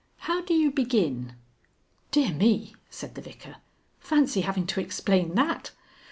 How do you begin?" "Dear me!" said the Vicar. "Fancy having to explain that!